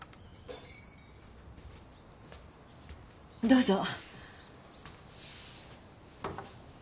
どうぞ。